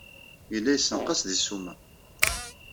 Yella yessenqas deg ssuma.